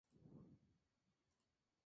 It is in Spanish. La respuesta es automatizada e inmediata.